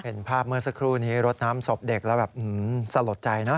เห็นภาพเมื่อสักครู่นี้รดน้ำศพเด็กแล้วแบบสลดใจนะ